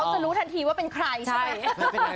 เขาจะรู้ทันทีว่าเป็นใครใช่มั้ย